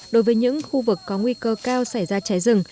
đối với những khu vực có nguy cơ cao xảy ra cháy rừng